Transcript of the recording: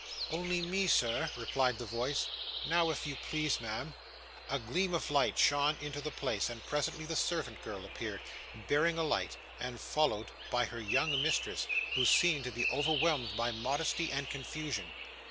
'Only me, sir,' replied the voice. 'Now if you please, ma'am.' A gleam of light shone into the place, and presently the servant girl appeared, bearing a light, and followed by her young mistress, who seemed to be overwhelmed by modesty and confusion.